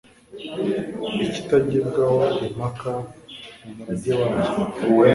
Ikitagibwaho impaka ni umurage wayo